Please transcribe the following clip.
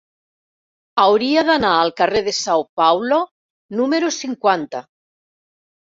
Hauria d'anar al carrer de São Paulo número cinquanta.